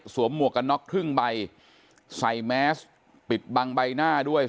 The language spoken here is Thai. หมวกกันน็อกครึ่งใบใส่แมสปิดบังใบหน้าด้วย